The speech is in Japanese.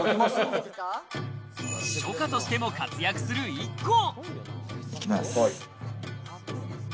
書家としても活躍するＩＫＫＯ。